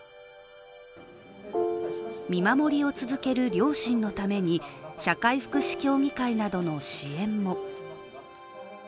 見守りを続ける両親のために社会福祉協議会などの支援も。